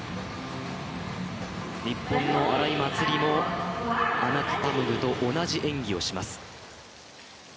日本の荒井祭里もアナクパムグと同じ演技をします